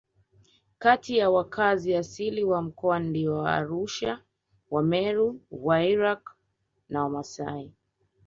Kati ya wakazi asili wa mkoa ndio Waarusha Wameru Wairaqw na Wamasai